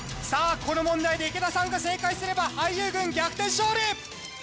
さあこの問題で池田さんが正解すれば俳優軍逆転勝利。